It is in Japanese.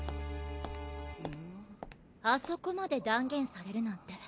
あそこまで断言されるなんて。